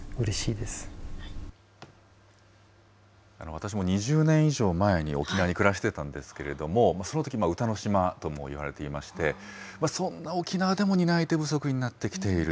私も２０年以上前に、沖縄に暮らしてたんですけれども、そのとき、うたの島ともいわれていまして、そんな沖縄でも担い手不足になってきている。